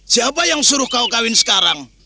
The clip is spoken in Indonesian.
siapa yang suruh kau kawin sekarang